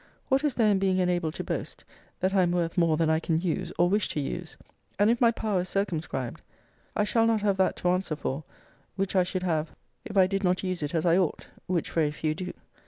What is there in being enabled to boast, that I am worth more than I can use, or wish to use? And if my power is circumscribed, I shall not have that to answer for, which I should have, if I did not use it as I ought: which very few do.